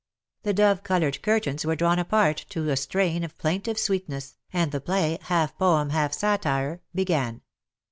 The dove coloured curtains were drawn apart to a strain of plaintive sweetness, and the play — half poem, half satire — began.